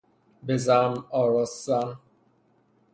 بزم آراستن